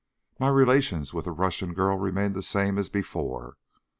My relations with the Russian girl remained the same as before.